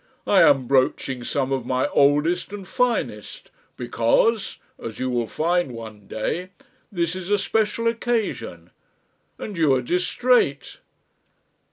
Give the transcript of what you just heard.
I am broaching some of my oldest and finest, because as you will find one day this is a special occasion. And you are distrait!"